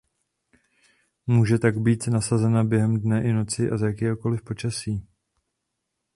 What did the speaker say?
Může tak být nasazena během dne i noci a za jakéhokoliv počasí.